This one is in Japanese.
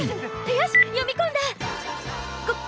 よしっ読み込んだっ！